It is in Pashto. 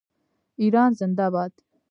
ایران زنده باد.